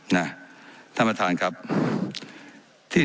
ไม่ได้เป็นประธานคณะกรุงตรี